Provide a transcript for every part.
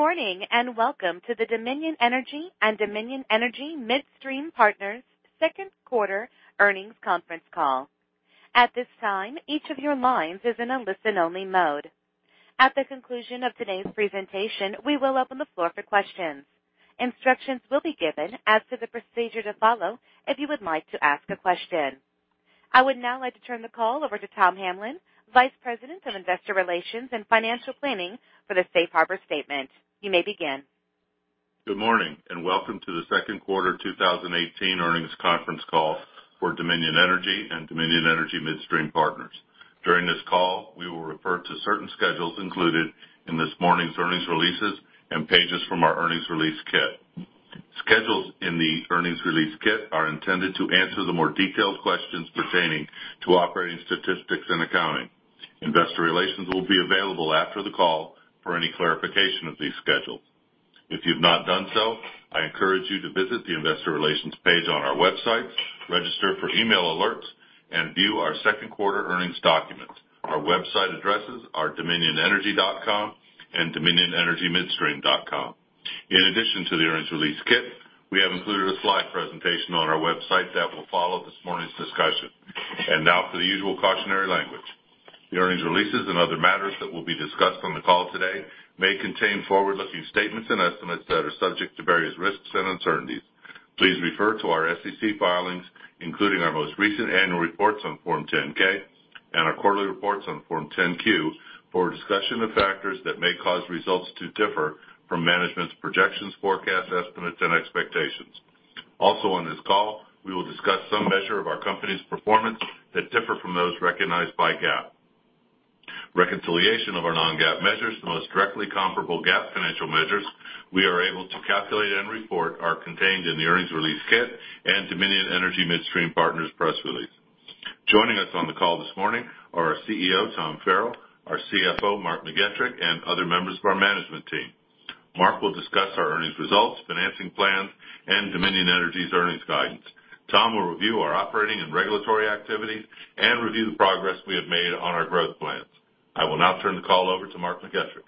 Good morning, and welcome to the Dominion Energy and Dominion Energy Midstream Partners second quarter earnings conference call. At this time, each of your lines is in a listen-only mode. At the conclusion of today's presentation, we will open the floor for questions. Instructions will be given as to the procedure to follow if you would like to ask a question. I would now like to turn the call over to Tom Hamlin, Vice President of Investor Relations and Financial Planning for the safe harbor statement. You may begin. Good morning, and welcome to the second quarter 2018 earnings conference call for Dominion Energy and Dominion Energy Midstream Partners. During this call, we will refer to certain schedules included in this morning's earnings releases and pages from our earnings release kit. Schedules in the earnings release kit are intended to answer the more detailed questions pertaining to operating statistics and accounting. Investor relations will be available after the call for any clarification of these schedules. If you've not done so, I encourage you to visit the investor relations page on our website, register for email alerts, and view our second quarter earnings document. Our website addresses are dominionenergy.com and dominionenergymidstream.com. In addition to the earnings release kit, we have included a slide presentation on our website that will follow this morning's discussion. Now for the usual cautionary language. The earnings releases and other matters that will be discussed on the call today may contain forward-looking statements and estimates that are subject to various risks and uncertainties. Please refer to our SEC filings, including our most recent annual reports on Form 10-K and our quarterly reports on Form 10-Q, for a discussion of factors that may cause results to differ from management's projections, forecasts, estimates, and expectations. Also on this call, we will discuss some measure of our company's performance that differ from those recognized by GAAP. Reconciliation of our non-GAAP measures to the most directly comparable GAAP financial measures we are able to calculate and report are contained in the earnings release kit and Dominion Energy Midstream Partners press release. Joining us on the call this morning are our CEO, Tom Farrell, our CFO, Mark McGettrick, and other members of our management team. Mark will discuss our earnings results, financing plans, and Dominion Energy's earnings guidance. Tom will review our operating and regulatory activities and review the progress we have made on our growth plans. I will now turn the call over to Mark McGettrick.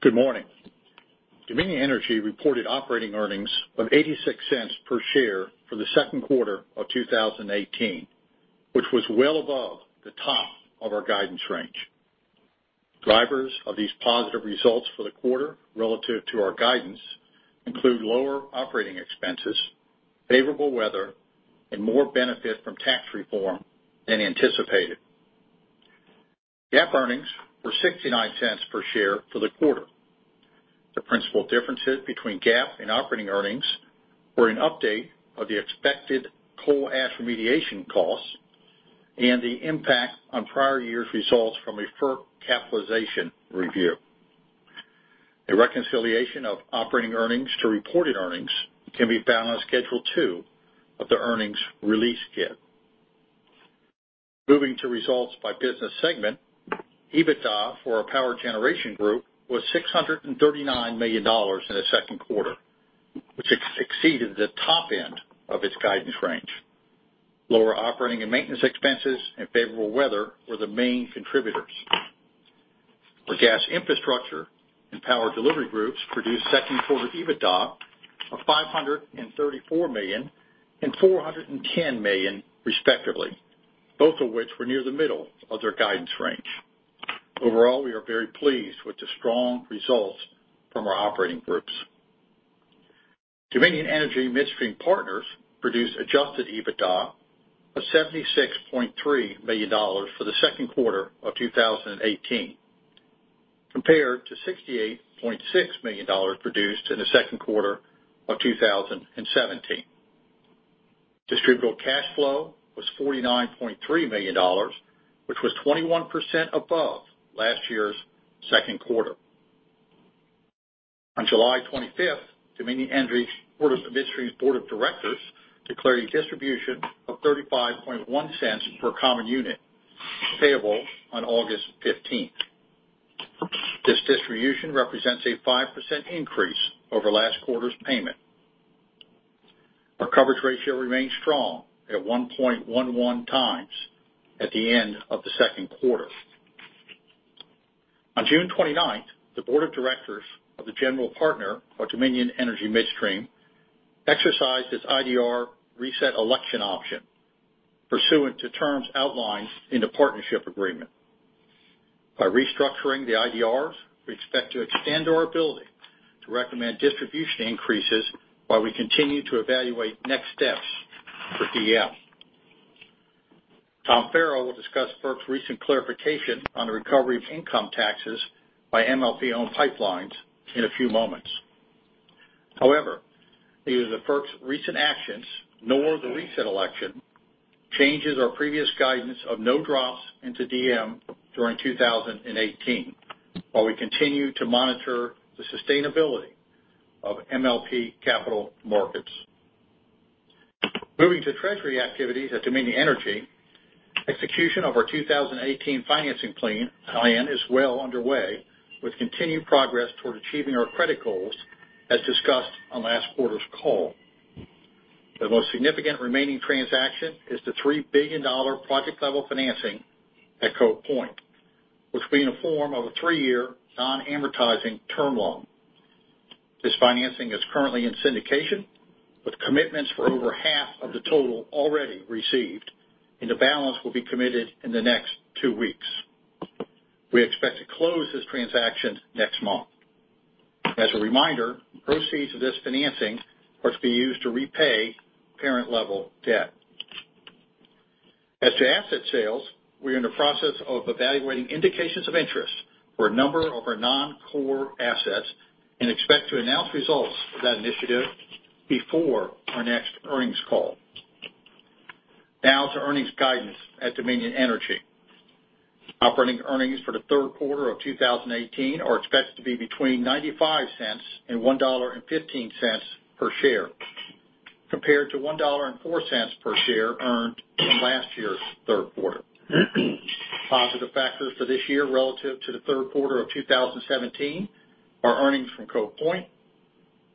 Good morning. Dominion Energy reported operating earnings of $0.86 per share for the second quarter of 2018, which was well above the top of our guidance range. Drivers of these positive results for the quarter relative to our guidance include lower operating expenses, favorable weather, and more benefit from tax reform than anticipated. GAAP earnings were $0.69 per share for the quarter. The principal differences between GAAP and operating earnings were an update of the expected coal ash remediation costs and the impact on prior years' results from a FERC capitalization review. A reconciliation of operating earnings to reported earnings can be found on Schedule two of the earnings release kit. Moving to results by business segment, EBITDA for our Power Generation Group was $639 million in the second quarter, which exceeded the top end of its guidance range. Lower operating and maintenance expenses and favorable weather were the main contributors. Our Gas Infrastructure and Power Delivery Groups produced second quarter EBITDA of $534 million and $410 million respectively, both of which were near the middle of their guidance range. Overall, we are very pleased with the strong results from our operating groups. Dominion Energy Midstream Partners produced adjusted EBITDA of $76.3 million for the second quarter of 2018, compared to $68.6 million produced in the second quarter of 2017. Distributable cash flow was $49.3 million, which was 21% above last year's second quarter. On July 25th, Dominion Energy Midstream's board of directors declared a distribution of $0.351 per common unit payable on August 15th. This distribution represents a 5% increase over last quarter's payment. Our coverage ratio remains strong at 1.11 times at the end of the second quarter. On June 29th, the board of directors of the general partner of Dominion Energy Midstream exercised its IDR reset election option pursuant to terms outlined in the partnership agreement. By restructuring the IDRs, we expect to extend our ability to recommend distribution increases while we continue to evaluate next steps for DM. Tom Farrell will discuss FERC's recent clarification on the recovery of income taxes by MLP-owned pipelines in a few moments. However, neither FERC's recent actions nor the reset election changes our previous guidance of no drops into DM during 2018, while we continue to monitor the sustainability of MLP capital markets. Moving to treasury activities at Dominion Energy, execution of our 2018 financing plan is well underway, with continued progress toward achieving our credit goals as discussed on last quarter's call. The most significant remaining transaction is the $3 billion project-level financing at Cove Point, which will be in the form of a three-year non-amortizing term loan. This financing is currently in syndication, with commitments for over half of the total already received, and the balance will be committed in the next two weeks. We expect to close this transaction next month. As a reminder, the proceeds of this financing are to be used to repay parent level debt. As to asset sales, we're in the process of evaluating indications of interest for a number of our non-core assets and expect to announce results of that initiative before our next earnings call. Now to earnings guidance at Dominion Energy. Operating earnings for the third quarter of 2018 are expected to be between $0.95 and $1.15 per share, compared to $1.04 per share earned in last year's third quarter. Positive factors for this year relative to the third quarter of 2017 are earnings from Cove Point,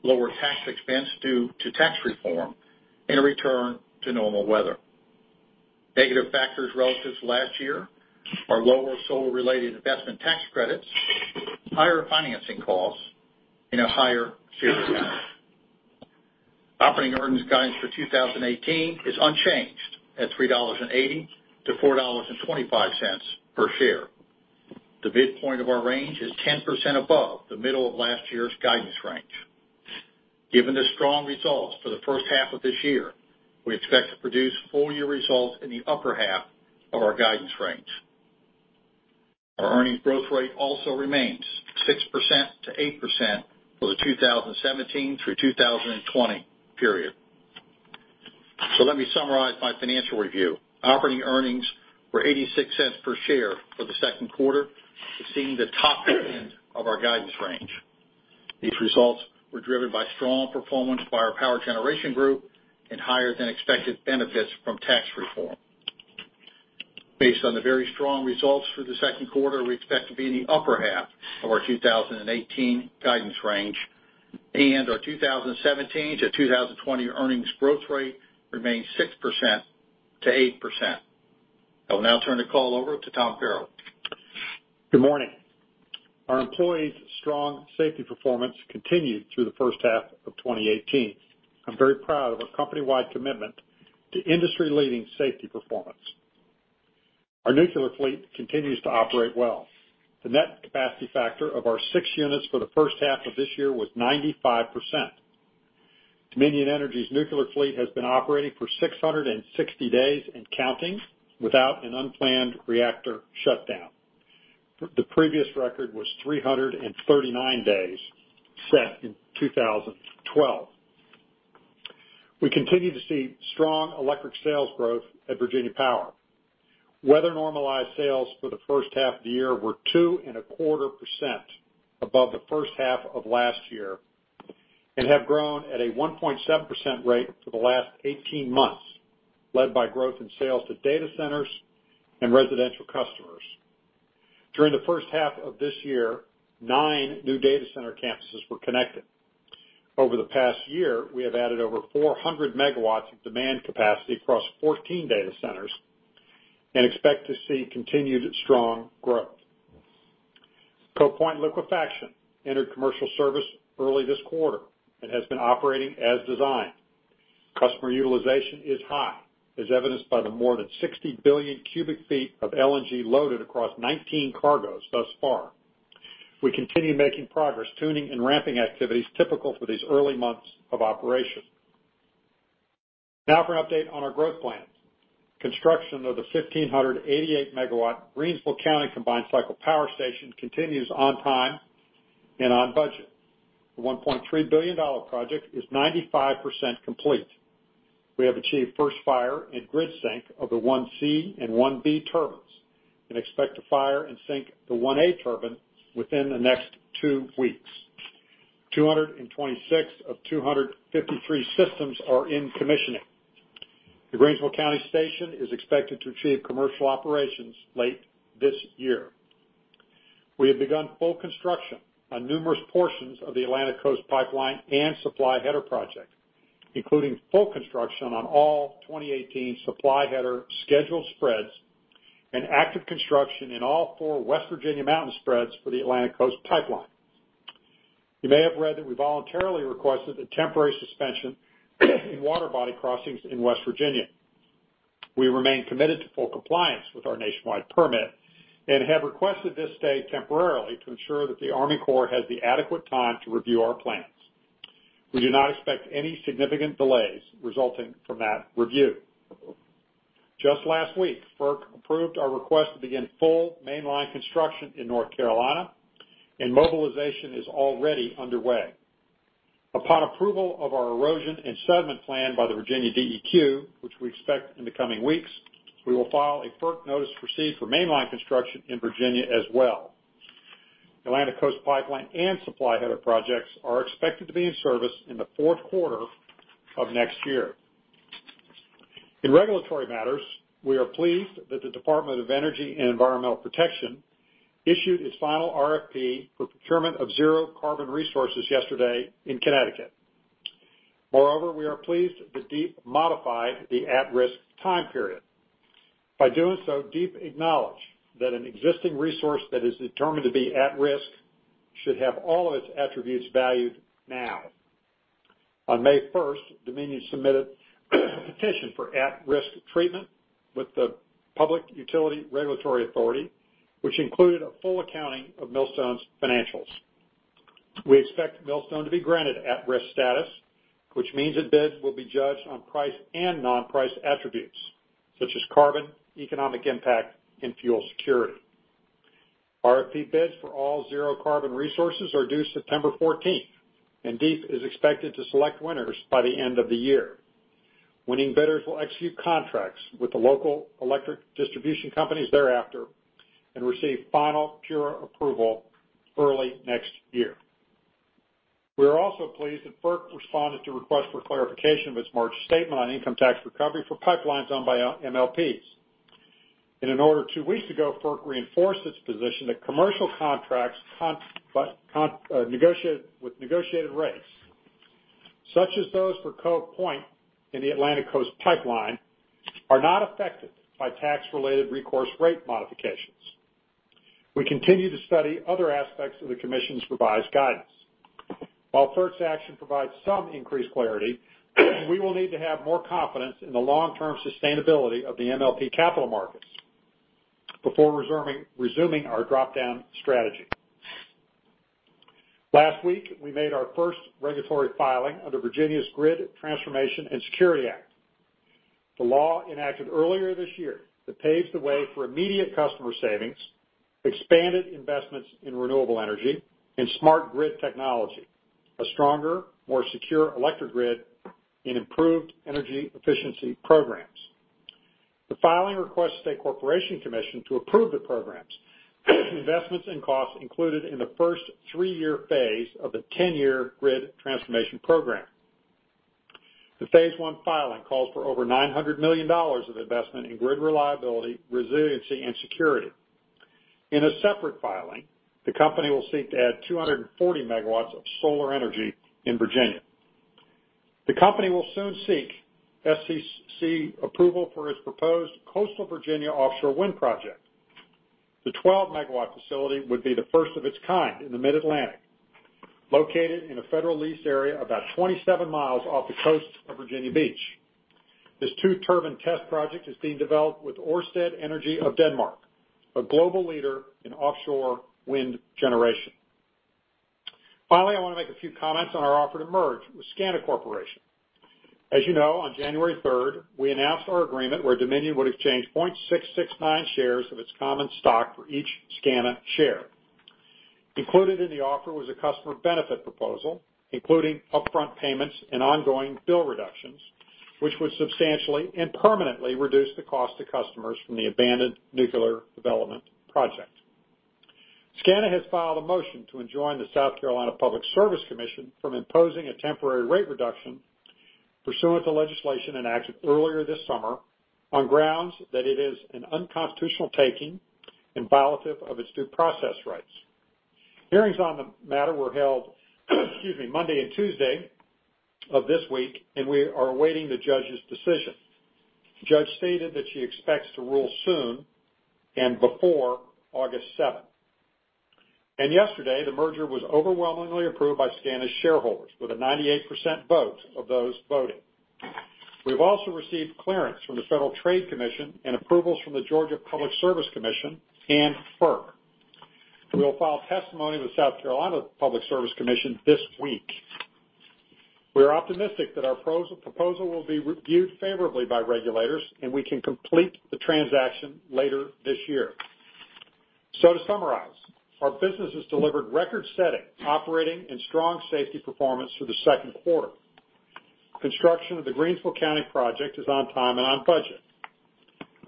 lower tax expense due to tax reform, and a return to normal weather. Negative factors relative to last year are lower solar-related investment tax credits, higher financing costs, and a higher share count. Operating earnings guidance for 2018 is unchanged at $3.80 to $4.25 per share. The midpoint of our range is 10% above the middle of last year's guidance range. Given the strong results for the first half of this year, we expect to produce full-year results in the upper half of our guidance range. Our earnings growth rate also remains 6%-8% for the 2017 through 2020 period. Let me summarize my financial review. Operating earnings were $0.86 per share for the second quarter, exceeding the top end of our guidance range. These results were driven by strong performance by our power generation group and higher than expected benefits from tax reform. Based on the very strong results for the second quarter, we expect to be in the upper half of our 2018 guidance range, and our 2017 to 2020 earnings growth rate remains 6%-8%. I will now turn the call over to Tom Farrell. Good morning. Our employees' strong safety performance continued through the first half of 2018. I am very proud of our company-wide commitment to industry-leading safety performance. Our nuclear fleet continues to operate well. The net capacity factor of our six units for the first half of this year was 95%. Dominion Energy's nuclear fleet has been operating for 660 days and counting without an unplanned reactor shutdown. The previous record was 339 days, set in 2012. We continue to see strong electric sales growth at Virginia Power. Weather-normalized sales for the first half of the year were 2.25% above the first half of last year and have grown at a 1.7% rate for the last 18 months, led by growth in sales to data centers and residential customers. During the first half of this year, nine new data center campuses were connected. Over the past year, we have added over 400 MW of demand capacity across 14 data centers and expect to see continued strong growth. Cove Point Liquefaction entered commercial service early this quarter and has been operating as designed. Customer utilization is high, as evidenced by the more than 60 billion cubic feet of LNG loaded across 19 cargoes thus far. We continue making progress tuning and ramping activities typical for these early months of operation. Now for an update on our growth plans. Construction of the 1,588 MW Greensville County combined cycle power station continues on time and on budget. The $1.3 billion project is 95% complete. We have achieved first fire and grid sync of the 1C and 1B turbines and expect to fire and sync the 1A turbine within the next two weeks. 226 of 253 systems are in commissioning. The Greensville County station is expected to achieve commercial operations late this year. We have begun full construction on numerous portions of the Atlantic Coast Pipeline and Supply Header project, including full construction on all 2018 Supply Header scheduled spreads and active construction in all four West Virginia mountain spreads for the Atlantic Coast Pipeline. You may have read that we voluntarily requested a temporary suspension in water body crossings in West Virginia. We remain committed to full compliance with our nationwide permit and have requested this stay temporarily to ensure that the Army Corps has the adequate time to review our plans. We do not expect any significant delays resulting from that review. Last week, FERC approved our request to begin full mainline construction in North Carolina, and mobilization is already underway. Upon approval of our erosion and sediment plan by the Virginia DEQ, which we expect in the coming weeks, we will file a FERC notice to proceed for mainline construction in Virginia as well. The Atlantic Coast Pipeline and Supply Header projects are expected to be in service in the fourth quarter of next year. In regulatory matters, we are pleased that the Connecticut Department of Energy and Environmental Protection issued its final RFP for procurement of zero carbon resources yesterday in Connecticut. We are pleased that DEEP modified the at-risk time period. By doing so, DEEP acknowledged that an existing resource that is determined to be at risk should have all of its attributes valued now. On May 1st, Dominion submitted a petition for at-risk treatment with the Public Utilities Regulatory Authority, which included a full accounting of Millstone's financials. We expect Millstone to be granted at-risk status, which means that bids will be judged on price and non-price attributes such as carbon, economic impact, and fuel security. RFP bids for all zero carbon resources are due September 14th, and DEEP is expected to select winners by the end of the year. Winning bidders will execute contracts with the local electric distribution companies thereafter and receive final PURA approval early next year. We are also pleased that FERC responded to request for clarification of its March statement on income tax recovery for pipelines owned by MLPs. In an order two weeks ago, FERC reinforced its position that commercial contracts with negotiated rates, such as those for Cove Point and the Atlantic Coast Pipeline, are not affected by tax-related recourse rate modifications. We continue to study other aspects of the commission's revised guidance. FERC's action provides some increased clarity, we will need to have more confidence in the long-term sustainability of the MLP capital markets before resuming our drop-down strategy. Last week, we made our first regulatory filing under Virginia's Grid Transformation and Security Act. The law enacted earlier this year that paves the way for immediate customer savings, expanded investments in renewable energy and smart grid technology, a stronger, more secure electric grid, and improved energy efficiency programs. The filing requests the State Corporation Commission to approve the programs, investments, and costs included in the first three-year phase of the 10-year grid transformation program. The phase 1 filing calls for over $900 million of investment in grid reliability, resiliency, and security. In a separate filing, the company will seek to add 240 MW of solar energy in Virginia. The company will soon seek SCC approval for its proposed Coastal Virginia Offshore Wind project. The 12 MW facility would be the first of its kind in the Mid-Atlantic, located in a federal lease area about 27 miles off the coast of Virginia Beach. This two-turbine test project is being developed with Ørsted Energy of Denmark, a global leader in offshore wind generation. I want to make a few comments on our offer to merge with SCANA Corporation. As you know, on January 3rd, we announced our agreement where Dominion would exchange 0.669 shares of its common stock for each SCANA share. Included in the offer was a customer benefit proposal, including upfront payments and ongoing bill reductions, which would substantially and permanently reduce the cost to customers from the abandoned nuclear development project. SCANA has filed a motion to enjoin the South Carolina Public Service Commission from imposing a temporary rate reduction pursuant to legislation enacted earlier this summer on grounds that it is an unconstitutional taking and violative of its due process rights. Hearings on the matter were held Monday and Tuesday of this week, and we are awaiting the judge's decision. The judge stated that she expects to rule soon and before August 7th. Yesterday, the merger was overwhelmingly approved by SCANA's shareholders with a 98% vote of those voting. We've also received clearance from the Federal Trade Commission and approvals from the Georgia Public Service Commission and FERC. We will file testimony with South Carolina Public Service Commission this week. We are optimistic that our proposal will be reviewed favorably by regulators, and we can complete the transaction later this year. To summarize, our business has delivered record-setting, operating, and strong safety performance for the second quarter. Construction of the Greensville County project is on time and on budget.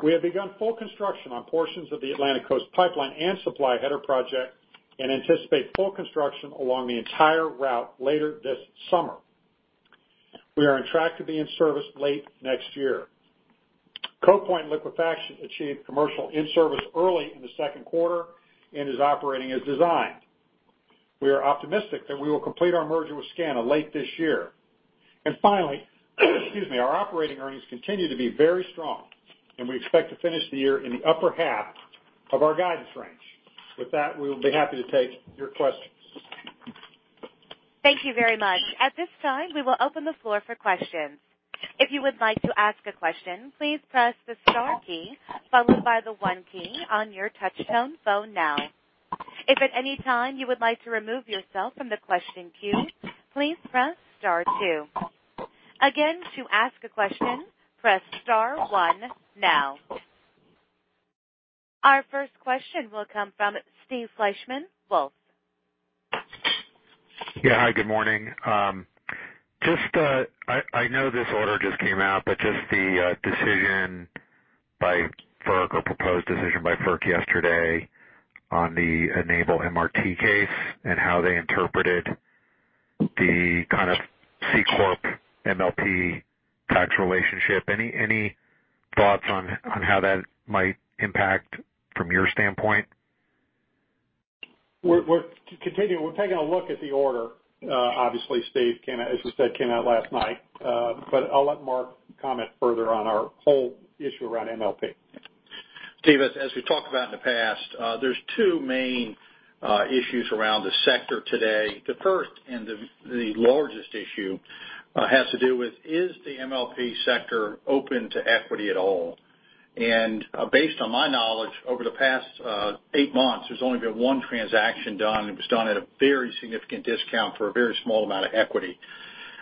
We have begun full construction on portions of the Atlantic Coast Pipeline and Supply Header project and anticipate full construction along the entire route later this summer. We are on track to be in service late next year. Cove Point Liquefaction achieved commercial in-service early in the second quarter and is operating as designed. We are optimistic that we will complete our merger with SCANA late this year. Our operating earnings continue to be very strong, and we expect to finish the year in the upper half of our guidance range. With that, we will be happy to take your questions. Thank you very much. At this time, we will open the floor for questions. If you would like to ask a question, please press the star key followed by the one key on your touch-tone phone now. If at any time you would like to remove yourself from the question queue, please press star two. Again, to ask a question, press star one now. Our first question will come from Steve Fleishman, Wolfe. Yeah. Hi, good morning. I know this order just came out, the decision by FERC or proposed decision by FERC yesterday on the Enable MRT case and how they interpreted the kind of C-corp MLP tax relationship. Any thoughts on how that might impact from your standpoint? We're taking a look at the order. Obviously, Steve, as we said, came out last night. I'll let Mark comment further on our whole issue around MLP. Steve, as we've talked about in the past, there's two main issues around the sector today. The first and the largest issue has to do with is the MLP sector open to equity at all? Based on my knowledge, over the past eight months, there's only been one transaction done, and it was done at a very significant discount for a very small amount of equity.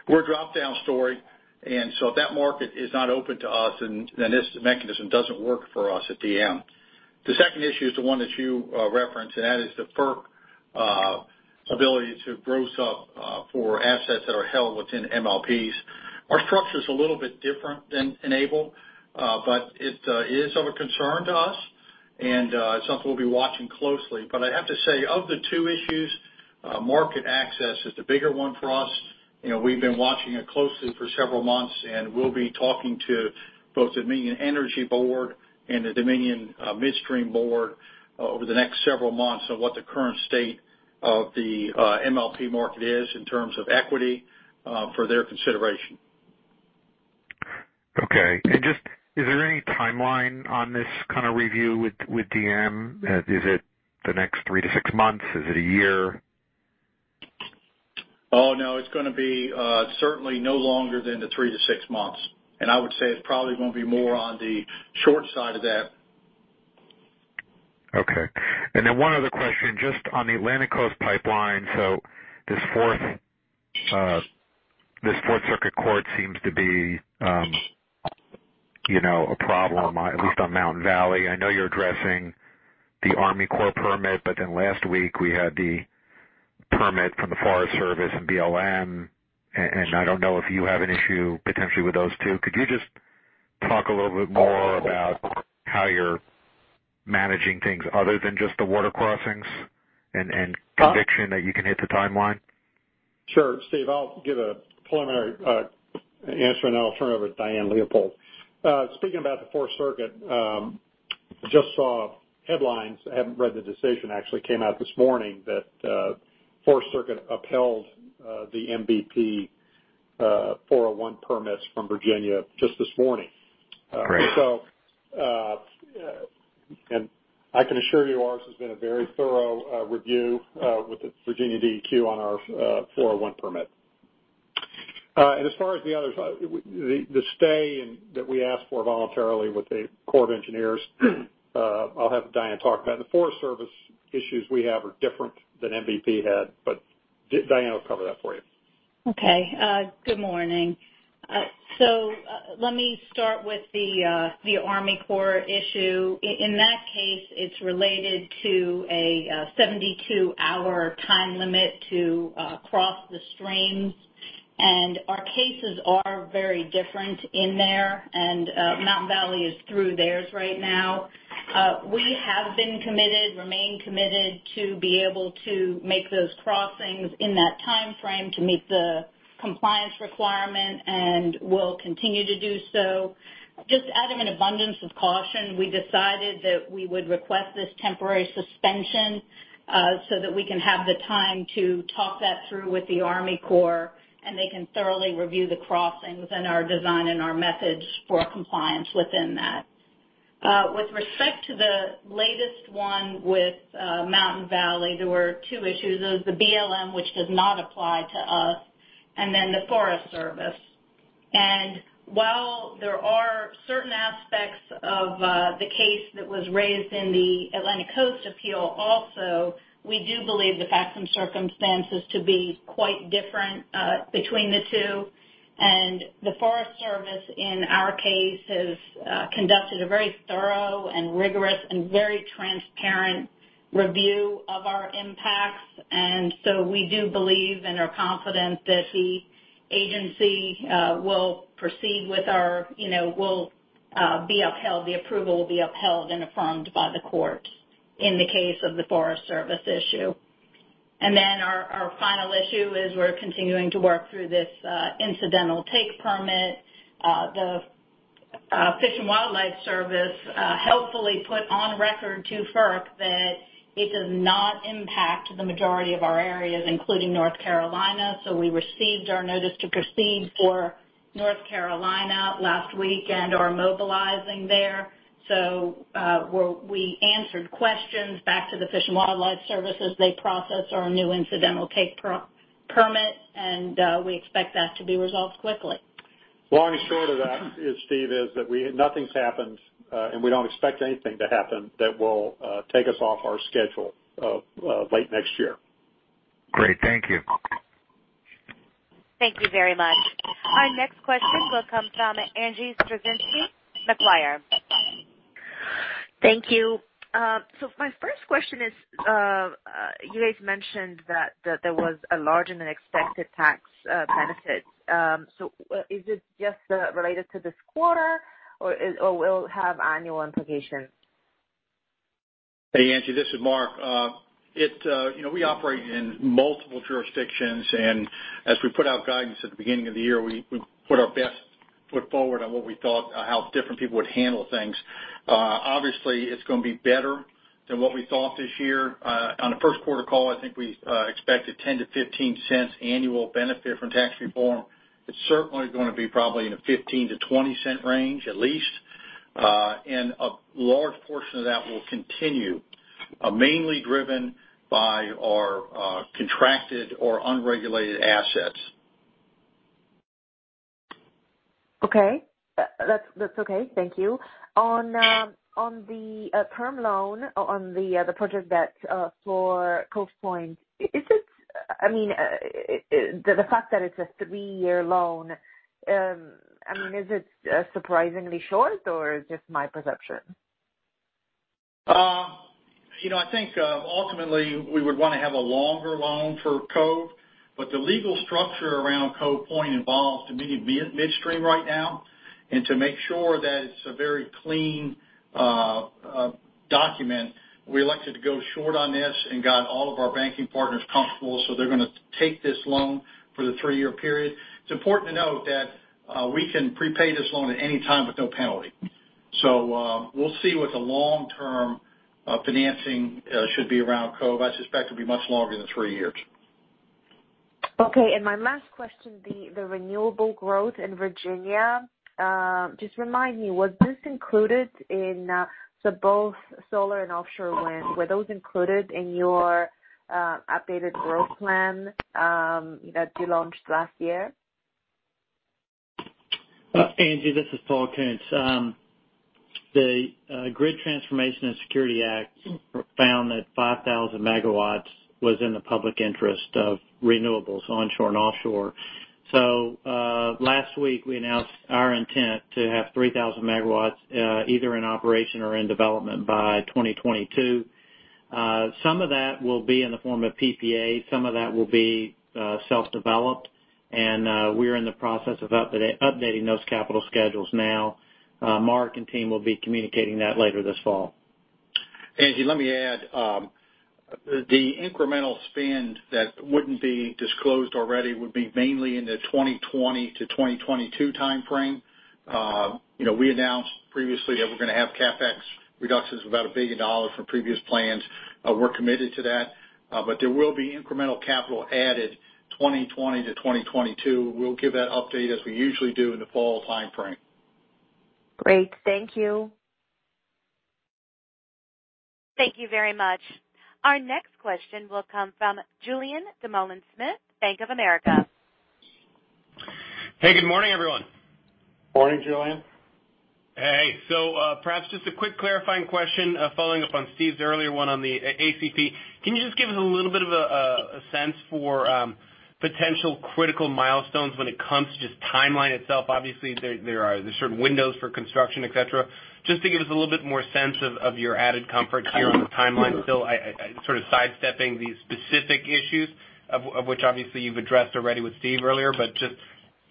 We're a dropdown story, if that market is not open to us, then this mechanism doesn't work for us at DM. The second issue is the one that you referenced, and that is the FERC ability to gross up for assets that are held within MLPs. Our structure's a little bit different than Enable, it is of a concern to us and something we'll be watching closely. I have to say, of the two issues, market access is the bigger one for us. We've been watching it closely for several months, we'll be talking to both the Dominion Energy board and the Dominion Midstream board over the next several months on what the current state of the MLP market is in terms of equity for their consideration. Is there any timeline on this kind of review with DM? Is it the next 3 to 6 months? Is it a year? Oh, no. It is going to be certainly no longer than the 3 to 6 months, I would say it probably will not be more on the short side of that. One other question, just on the Atlantic Coast Pipeline. This Fourth Circuit Court seems to be a problem, at least on Mountain Valley. I know you are addressing the Army Corps permit, last week we had the permit from the Forest Service and BLM, I do not know if you have an issue potentially with those two. Could you just talk a little bit more about how you are managing things other than just the water crossings and- Tom? -conviction that you can hit the timeline? Sure. Steve, I'll give a preliminary answer, then I'll turn it over to Diane Leopold. Speaking about the Fourth Circuit, just saw headlines, I haven't read the decision, actually came out this morning, that Fourth Circuit upheld the MVP 401 permits from Virginia just this morning. Great. I can assure you ours has been a very thorough review with the Virginia DEQ on our 401 permit. As far as the others, the stay that we asked for voluntarily with the Corps of Engineers, I'll have Diane talk about. The Forest Service issues we have are different than MVP had, Diane will cover that for you. Okay. Good morning. Let me start with the Army Corps issue. In that case, it's related to a 72-hour time limit to cross the streams, our cases are very different in there. Mountain Valley is through theirs right now. We have been committed, remain committed to be able to make those crossings in that timeframe to meet the compliance requirement, we'll continue to do so. Just out of an abundance of caution, we decided that we would request this temporary suspension so that we can have the time to talk that through with the Army Corps, they can thoroughly review the crossings and our design and our methods for compliance within that. With respect to the latest one with Mountain Valley, there were two issues. There was the BLM, which does not apply to us, the Forest Service. While there are certain aspects of the case that was raised in the Atlantic Coast appeal also, we do believe the facts and circumstances to be quite different between the two. The Forest Service, in our case, has conducted a very thorough and rigorous, and very transparent review of our impacts. We do believe and are confident that the agency will proceed. The approval will be upheld and affirmed by the court in the case of the Forest Service issue. Our final issue is we're continuing to work through this incidental take permit. The Fish and Wildlife Service helpfully put on record to FERC that it does not impact the majority of our areas, including North Carolina. We received our notice to proceed for North Carolina last week and are mobilizing there. We answered questions back to the Fish and Wildlife Service. They processed our new Incidental Take Permit, and we expect that to be resolved quickly. Long and short of that, Steve, is that nothing's happened, and we don't expect anything to happen that will take us off our schedule of late next year. Great. Thank you. Thank you very much. Our next question will come from Angie Storozynski, Macquarie. Thank you. My first question is, you guys mentioned that there was a larger than expected tax benefit. Is it just related to this quarter, or will it have annual implications? Hey, Angie, this is Mark. We operate in multiple jurisdictions, and as we put out guidance at the beginning of the year, we put our best foot forward on what we thought, how different people would handle things. Obviously, it's going to be better than what we thought this year. On the first quarter call, I think we expected $0.10-$0.15 annual benefit from tax reform. It's certainly going to be probably in the $0.15-$0.20 range, at least. A large portion of that will continue, mainly driven by our contracted or unregulated assets. Okay. That's okay. Thank you. On the term loan on the project debt for Cove Point, the fact that it's a three-year loan, is it surprisingly short, or it's just my perception? I think, ultimately, we would want to have a longer loan for Cove, but the legal structure around Cove Point involves Dominion Midstream right now. To make sure that it's a very clean document, we elected to go short on this and got all of our banking partners comfortable, so they're going to take this loan for the three-year period. It's important to note that we can prepay this loan at any time with no penalty. We'll see what the long-term financing should be around Cove. I suspect it'll be much longer than three years. Okay. My last question, the renewable growth in Virginia, just remind me, was this included in both solar and offshore wind? Were those included in your updated growth plan that you launched last year? Angie, this is Paul Koonce. The Grid Transformation and Security Act found that 5,000 megawatts was in the public interest of renewables, onshore and offshore. Last week, we announced our intent to have 3,000 megawatts either in operation or in development by 2022. Some of that will be in the form of PPA, some of that will be self-developed, and we're in the process of updating those capital schedules now. Mark and team will be communicating that later this fall. Angie, let me add. The incremental spend that wouldn't be disclosed already would be mainly in the 2020 to 2022 timeframe. We announced previously that we're going to have CapEx reductions of about $1 billion from previous plans. We're committed to that. There will be incremental capital added 2020 to 2022. We'll give that update as we usually do in the fall timeframe. Great. Thank you. Thank you very much. Our next question will come from Julien Dumoulin-Smith, Bank of America. Hey, good morning, everyone. Morning, Julien. Hey. Perhaps just a quick clarifying question, following up on Steve's earlier one on the ACP. Can you just give us a little bit of a sense for potential critical milestones when it comes to just timeline itself? Obviously, there are certain windows for construction, et cetera. Just to give us a little bit more sense of your added comfort here on the timeline still, sort of sidestepping the specific issues of which obviously you've addressed already with Steve earlier. Just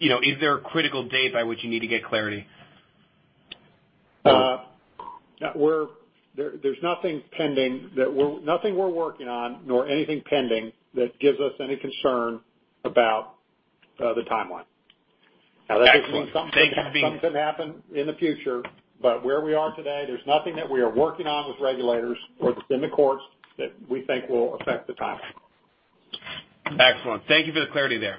is there a critical date by which you need to get clarity? There's nothing we're working on nor anything pending that gives us any concern about the timeline. That doesn't mean something can't happen in the future. Where we are today, there's nothing that we are working on with regulators or that's in the courts that we think will affect the timeline. Excellent. Thank you for the clarity there.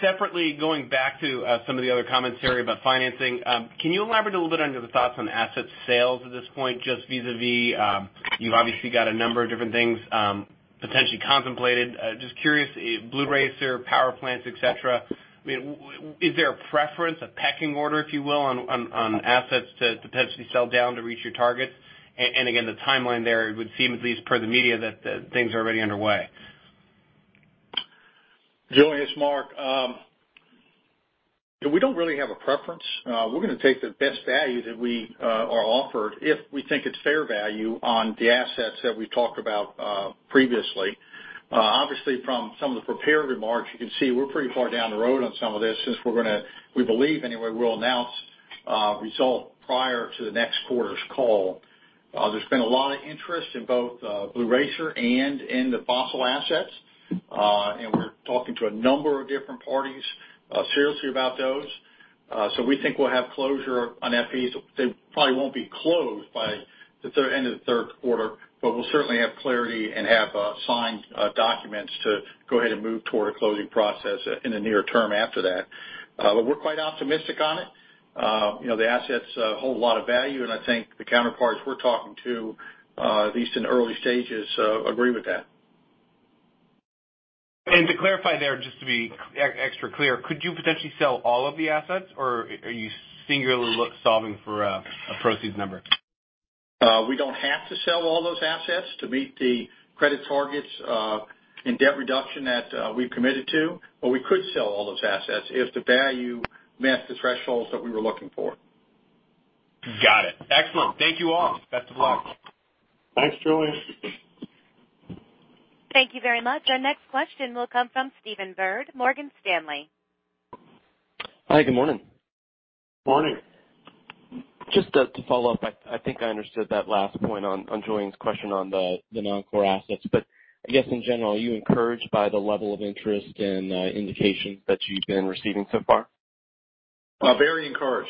Separately, going back to some of the other commentary about financing. Can you elaborate a little bit on your thoughts on asset sales at this point, just vis-a-vis, you've obviously got a number of different things potentially contemplated. Just curious, Blue Racer, power plants, et cetera. Is there a preference, a pecking order, if you will, on assets to potentially sell down to reach your targets? Again, the timeline there, it would seem, at least per the media, that things are already underway. Julien, it's Mark. We don't really have a preference. We're going to take the best value that we are offered if we think it's fair value on the assets that we've talked about previously. Obviously, from some of the prepared remarks, you can see we're pretty far down the road on some of this since we're going to, we believe anyway, we'll announce results prior to the next quarter's call. There's been a lot of interest in both Blue Racer and in the fossil assets. We're talking to a number of different parties seriously about those. We think we'll have closure on these. They probably won't be closed by the end of the third quarter, but we'll certainly have clarity and have signed documents to go ahead and move toward a closing process in the near term after that. We're quite optimistic on it. The assets hold a lot of value, and I think the counterparts we're talking to, at least in the early stages, agree with that. To clarify there, just to be extra clear, could you potentially sell all of the assets, or are you singularly solving for a proceeds number? We don't have to sell all those assets to meet the credit targets and debt reduction that we've committed to, but we could sell all those assets if the value met the thresholds that we were looking for. Got it. Excellent. Thank you all. Best of luck. Thanks, Julien. Thank you very much. Our next question will come from Stephen Byrd, Morgan Stanley. Hi, good morning. Morning. Just to follow up. I think I understood that last point on Julien's question on the non-core assets, I guess in general, are you encouraged by the level of interest and indications that you've been receiving so far? Very encouraged.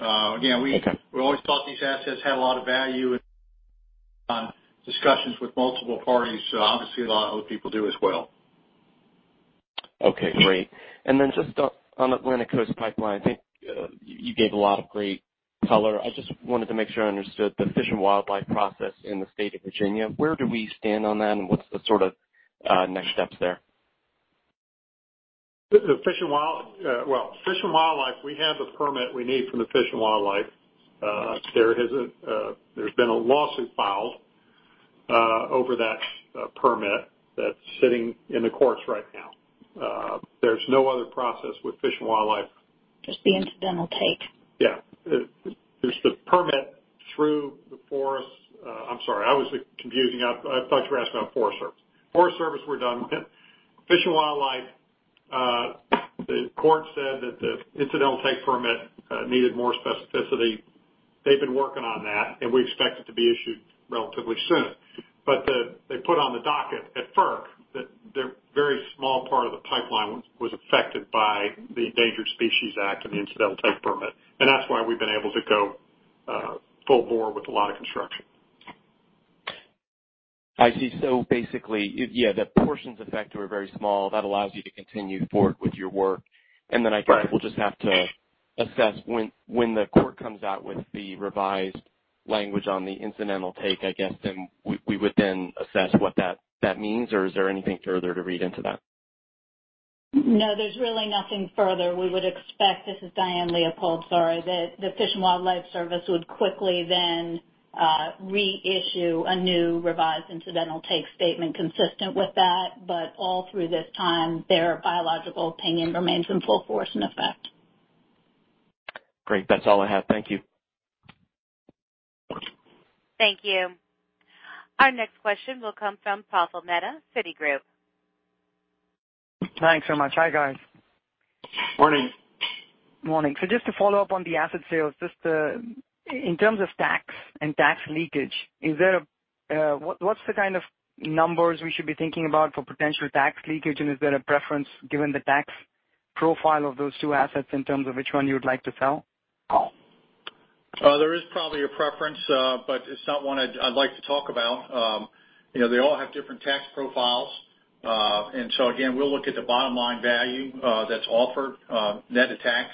Okay. We always thought these assets had a lot of value on discussions with multiple parties. Obviously a lot of other people do as well. Okay, great. Just on Atlantic Coast Pipeline, I think you gave a lot of great color. I just wanted to make sure I understood the Fish and Wildlife process in the state of Virginia. Where do we stand on that and what's the sort of next steps there? Well, Fish and Wildlife, we have the permit we need from the Fish and Wildlife. There's been a lawsuit filed over that permit that's sitting in the courts right now. There's no other process with Fish and Wildlife. Just the incidental take. Yeah. There's the permit through the forest-- I'm sorry. I was confusing. I thought you were asking about United States Forest Service. United States Forest Service we're done with. United States Fish and Wildlife, the court said that the incidental take permit needed more specificity. They've been working on that, and we expect it to be issued relatively soon. They put on the docket at FERC that their very small part of the pipeline was affected by the Endangered Species Act and the incidental take permit, and that's why we've been able to go full bore with a lot of construction. I see. Basically, yeah, the portions affected were very small. That allows you to continue forward with your work. Right. I guess we'll just have to assess when the court comes out with the revised language on the incidental take, I guess, then we would then assess what that means. Is there anything further to read into that? No, there's really nothing further. We would expect, this is Diane Leopold, sorry, that the United States Fish and Wildlife Service would quickly then reissue a new revised incidental take statement consistent with that. All through this time, their biological opinion remains in full force in effect. Great. That's all I have. Thank you. Thank you. Our next question will come from Praful Mehta, Citigroup. Thanks so much. Hi, guys. Morning. Just to follow up on the asset sales, just in terms of tax and tax leakage, what's the kind of numbers we should be thinking about for potential tax leakage? And is there a preference given the tax profile of those two assets in terms of which one you would like to sell? There is probably a preference, but it's not one I'd like to talk about. They all have different tax profiles. Again, we'll look at the bottom-line value that's offered net of tax.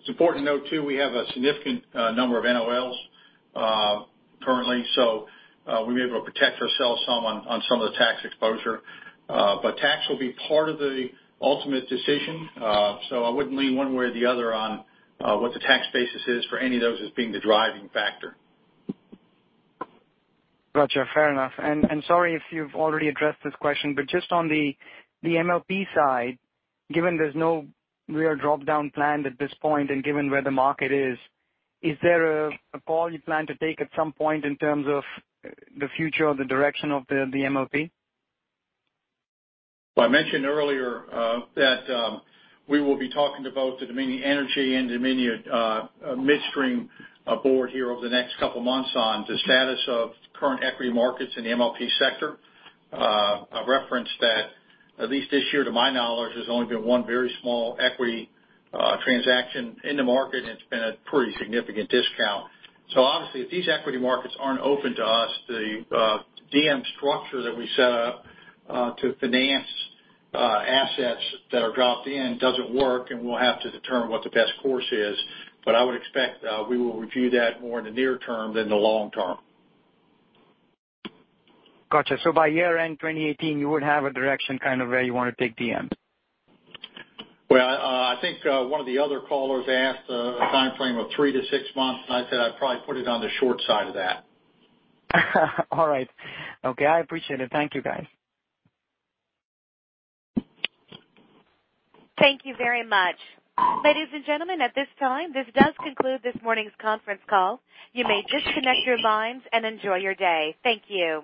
It's important to note too, we have a significant number of NOLs currently, so we'll be able to protect ourselves some on some of the tax exposure. Tax will be part of the ultimate decision. I wouldn't lean one way or the other on what the tax basis is for any of those as being the driving factor. Got you. Fair enough. Sorry if you've already addressed this question, but just on the MLP side, given there's no real drop-down plan at this point, given where the market is there a call you plan to take at some point in terms of the future or the direction of the MLP? I mentioned earlier that we will be talking to both the Dominion Energy and Dominion Midstream board here over the next couple of months on the status of current equity markets in the MLP sector. I've referenced that at least this year, to my knowledge, there's only been one very small equity transaction in the market, and it's been at a pretty significant discount. Obviously, if these equity markets aren't open to us, the DM structure that we set up to finance assets that are dropped in doesn't work, and we'll have to determine what the best course is. I would expect we will review that more in the near term than the long term. Got you. By year-end 2018, you would have a direction kind of where you want to take DM. Well, I think one of the other callers asked a timeframe of 3-6 months, and I said I'd probably put it on the short side of that. All right. Okay, I appreciate it. Thank you, guys. Thank you very much. Ladies and gentlemen, at this time, this does conclude this morning's conference call. You may disconnect your lines and enjoy your day. Thank you.